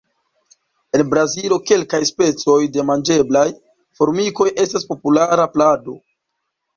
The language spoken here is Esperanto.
En Brazilo kelkaj specoj de manĝeblaj formikoj estas populara plado.